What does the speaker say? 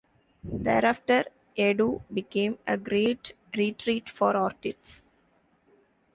Thereafter Yaddo became a great retreat for artists.